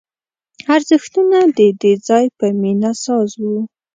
ارزښتونه د دې ځای په مینه ساز وو